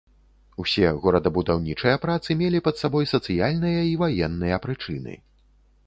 Усе горадабудаўнічыя працы мелі пад сабой сацыяльныя і ваенныя прычыны.